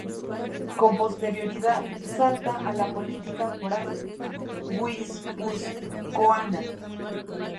Con posterioridad salta a la política foral guipuzcoana.